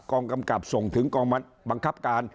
กองกำกับส่งถึงกองบังคับการ